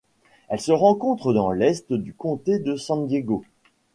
Elle se rencontre dans l'Est du comté de San Diego.